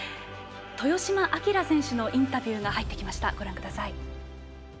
豊島英選手のインタビューが入ってきました。